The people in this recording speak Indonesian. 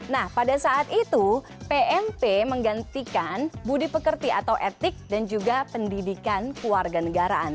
nah pada saat itu pmp menggantikan budi pekerti atau etik dan juga pendidikan keluarga negaraan